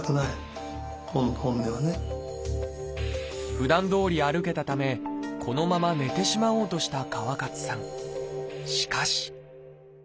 ふだんどおり歩けたためこのまま寝てしまおうとした川勝さん。